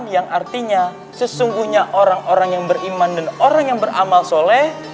yang artinya sesungguhnya orang orang yang beriman dan orang yang beramal soleh